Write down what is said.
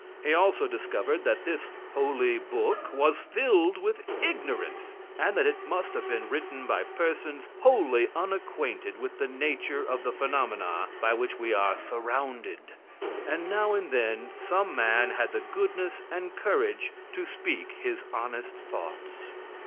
He also discovered that this holy book was filled with ignorance, and that it must have been written by persons wholly unacquainted with the nature of the phenomena by which we are surrounded; and now and then, some man had the goodness and courage to speak his honest thoughts.